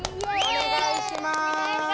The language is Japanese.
お願いします！